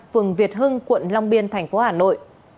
phường việt hưng quận long biên thành phố hà nội